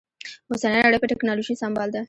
اوسنۍ نړۍ په ټکنالوژي سمبال ده